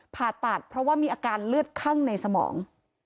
ผ่าตัดเพราะว่ามีอาการเลือดคั่งในสมอง